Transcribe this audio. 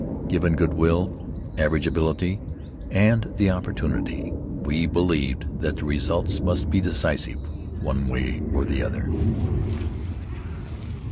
Given good will, average ability, and the opportunity, we believed that the results must be decisive, one way or the other.